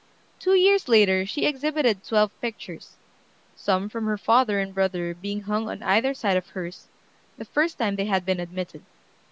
Two years later she exhibited twelve pictures, some from her father and brother being hung on either side of hers, the first time they had been admitted.